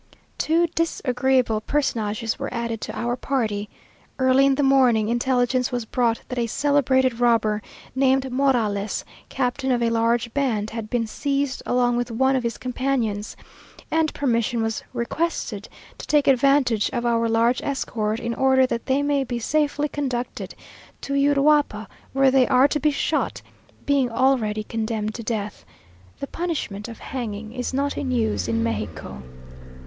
Two disagreeable personages were added to our party. Early in the morning, intelligence was brought that a celebrated robber, named Morales, captain of a large band, had been seized along with one of his companions; and permission was requested to take advantage of our large escort, in order that they may be safely conducted to Uruapa, where they are to be shot, being already condemned to death. The punishment of hanging is not in use in Mexico.